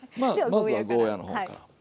まずはゴーヤーの方から。